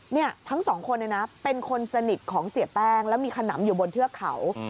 เนี่ยทั้งสองคนเนี่ยนะเป็นคนสนิทของเสียแป้งแล้วมีขนำอยู่บนเทือกเขา